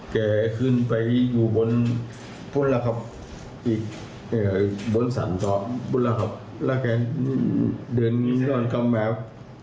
แกขึ้นไปอยู่บนพุนละครับอีกบนสรรค์ก็พุนละครับแล้วแกเดินนอนเข้ามาครับ